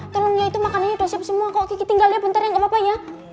kalinya itu makanannya udah siap semua kok gigi tinggalin bentar ya gak apa apa ya